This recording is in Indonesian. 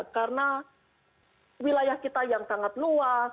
karena wilayah kita yang sangat luas